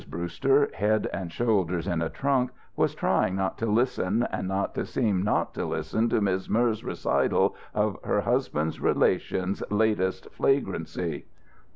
Brewster, head and shoulders in a trunk, was trying not to listen and not to seem not to listen to Miz' Merz' recital of her husband's relations' latest flagrancy.